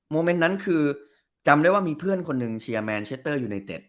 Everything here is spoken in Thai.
เมนต์นั้นคือจำได้ว่ามีเพื่อนคนหนึ่งเชียร์แมนเชตเตอร์ยูไนเต็ด